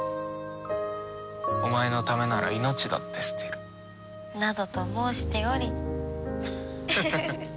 お前のためなら命だって捨てる。などと申しており。